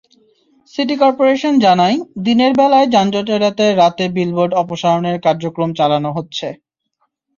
City corporation জানায়, দিনের বেলায় যানজট এড়াতে রাতে বিলবোর্ড অপসারণের কার্যক্রম চালানো হচ্ছে।